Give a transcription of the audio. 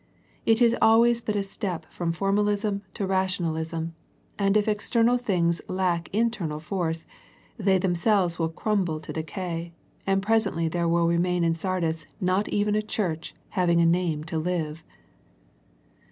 It is always but a step from formalism to rational ism, and if external things lack internal force, they themselves will crumble to decay, and presently there will remain in Sardis not even a church having a name to live.